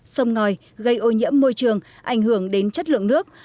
sông ngòi gây ô nhiễm môi trường ảnh hưởng đến chất lượng nước